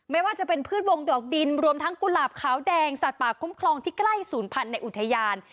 ไม่ว่าจะเป็นพืชวงดอกดินรวมทั้งกุหลาบขาวแดงสัตว์ป่าคุ้มครองที่ใกล้ศูนย์พันธุ์ในอุทยาน